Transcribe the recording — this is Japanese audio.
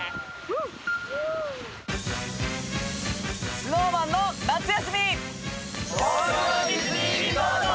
ＳｎｏｗＭａｎの夏休み